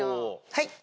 はい。